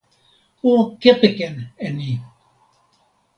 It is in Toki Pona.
o kepeken e ni!